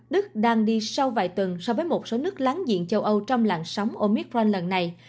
đức đang đi sâu vài tuần so với một số nước láng diện châu âu trong làn sóng omicron lần này